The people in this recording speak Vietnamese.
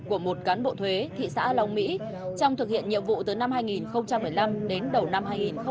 của một cán bộ thuế thị xã long mỹ trong thực hiện nhiệm vụ từ năm hai nghìn một mươi năm đến đầu năm hai nghìn hai mươi